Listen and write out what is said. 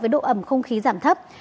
với độ ẩm không khí giảm thấp